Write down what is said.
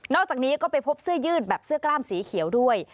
อกจากนี้ก็ไปพบเสื้อยืดแบบเสื้อกล้ามสีเขียวด้วย